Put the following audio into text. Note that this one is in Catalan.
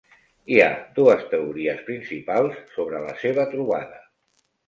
Hi ha dues teories principals sobre la seva trobada.